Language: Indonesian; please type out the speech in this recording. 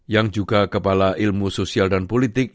yang juga kepala ilmu sosial dan politik